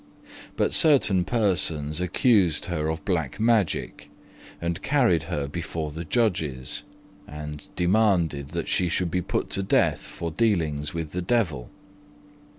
But certain persons accused her of black magic and carried her before the judges, and demanded that she should be put to death for dealings with the Devil.